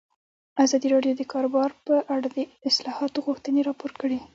ازادي راډیو د د کار بازار په اړه د اصلاحاتو غوښتنې راپور کړې.